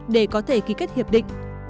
để có thể ký kết hiệp định